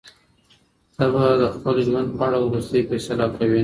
ته به د خپل ژوند په اړه وروستۍ فیصله کوې.